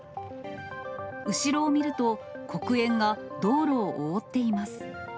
後ろを見ると、黒煙が道路を覆っています。